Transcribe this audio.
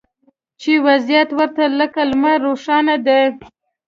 چې وضعیت ورته لکه لمر روښانه دی